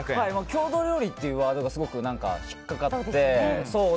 郷土料理っていうワードがすごく引っかかって。